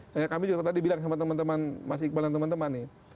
sehingga kami juga tadi bilang sama teman teman mas iqbal dan teman teman nih